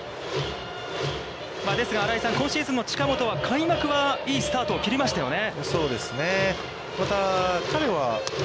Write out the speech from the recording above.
ですが新井さん、今シーズンの近本は、開幕はいいスタートを切りましたよね。